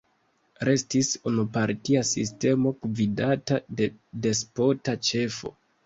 Restis unupartia sistemo gvidata de despota ĉefo.